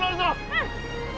うん！